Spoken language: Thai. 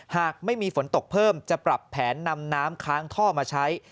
หากไม่มีฝนตกเพิ่มจะปรับแผนนำน้ำค้างท่อมาใช้